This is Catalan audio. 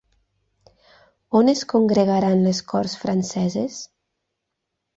On es congregaran les corts franceses?